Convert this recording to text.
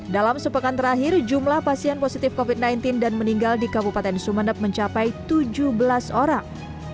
dalam sepekan terakhir jumlah pasien positif covid sembilan belas dan meninggal di kabupaten sumeneb mencapai tujuh belas orang